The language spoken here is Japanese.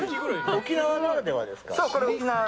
沖縄ならではですか？